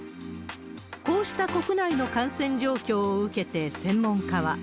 こうした国内の感染状況を受けて専門家は。